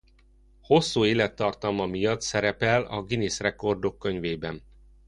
Hosszú élettartama miatt szerepel a Guinness Rekordok Könyvében.